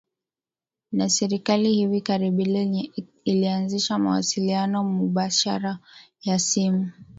na serikali hivi karibuni ilianzisha mawasiliano mubashara ya simu